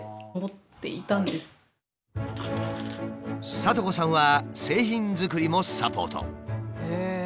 智子さんは製品作りもサポート。